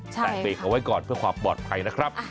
แต่เบรกเอาไว้ก่อนเพื่อความปลอดภัยนะครับ